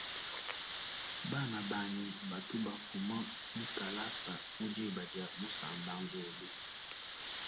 Bana banyi batu ba fuma mukalasa mudiba dia musamba nzolu.